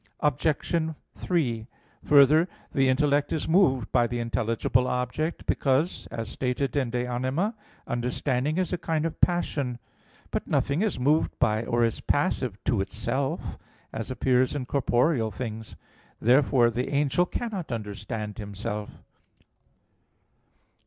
Obj. 3: Further, the intellect is moved by the intelligible object: because, as stated in De Anima iii, 4 understanding is a kind of passion. But nothing is moved by or is passive to itself; as appears in corporeal things. Therefore the angel cannot understand himself.